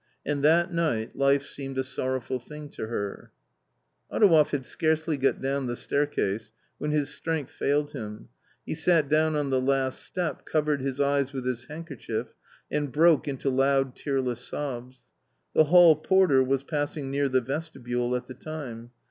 And that night life seemed a sorrowful thing to her. Adouev had scarcely got down the staircase when his strength failed him, he sat down on the last step, covered his eyes with his handkerchief and broke into loud tearless sobs. The hall porter was passing near the vestibule afrthe time.